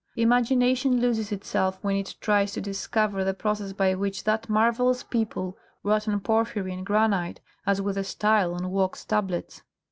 Imagination loses itself when it tries to discover the process by which that marvellous people wrought on porphyry and granite as with a style on wax tablets.